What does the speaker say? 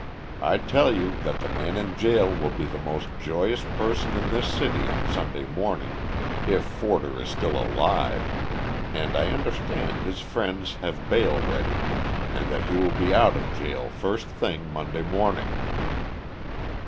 I tell you that the man in jail will be the most joyous person in this city on Sunday morning if Forder is still alive, and I understand his friends have bail ready, and that he will be out of jail first thing Monday morning."